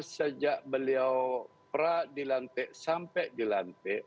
sejak beliau pra dilantik sampai dilantik